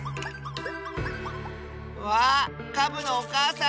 わあカブのおかあさん！